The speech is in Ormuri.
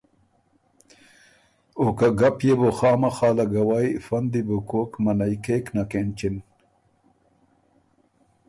او که ګپ يې بو خامخا لګوئ فۀ ن دی بُو کوک منعئ کېک نک اېنچِن۔